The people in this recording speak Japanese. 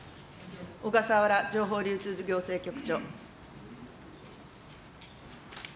小笠原情報流通行政局長。